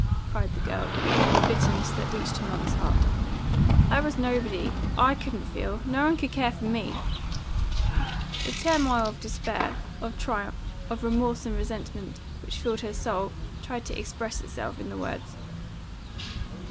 cried the girl, with a bitterness that reached her mother's heart. "I was nobody! I couldn't feel! No one could care for me!" The turmoil of despair, of triumph, of remorse and resentment, which filled her soul, tried to express itself in the words.